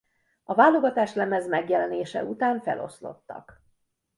A válogatáslemez megjelenése után feloszlottak.